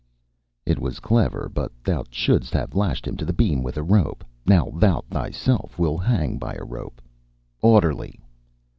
"It was clever. But thou shouldst have lashed him to the beam with a rope. Now, thou thyself wilt hang by a rope. Orderly!"